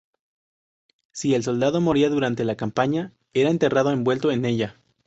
Si el soldado moría durante la campaña, era enterrado envuelto en ella.